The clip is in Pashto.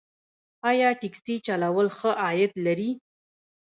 آیا ټکسي چلول ښه عاید لري؟